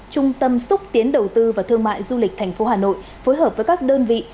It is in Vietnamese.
trung tâm xúc tiến đầu tư và thương mại du lịch tp hà nội phối hợp với các đơn vị